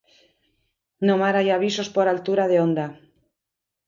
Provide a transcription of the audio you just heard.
No mar hai avisos por altura de onda.